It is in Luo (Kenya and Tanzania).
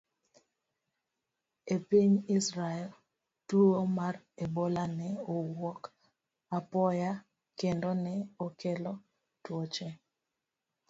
E piny Israel, tuwo mar Ebola ne owuok apoya kendo ne okelo tuoche.